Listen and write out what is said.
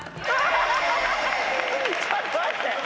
ちょっと待って。